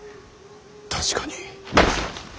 確かに。